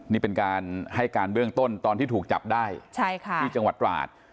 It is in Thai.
นี่เป็นการให้การเบื้องต้นตอนที่ถูกจับได้ที่จังหวัดตราด